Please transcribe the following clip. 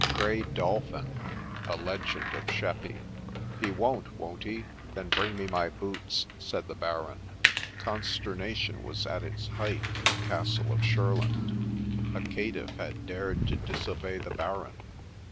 GREY DOBBIN A LEGEND OF SHEPPEY 1 T"f E won't — won't he ? Then bring me my boots !' said JJL the Baron. Consternation was at its height in the castle of Shurland — a caitiff had dared to disobey the Baron